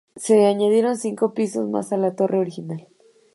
Se añadieron cinco pisos más a la torre original.